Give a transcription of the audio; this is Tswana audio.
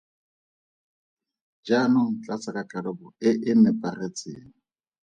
Jaanong tlatsa ka karabo e e nepagetseng.